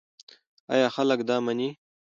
ایا خلک دا مني؟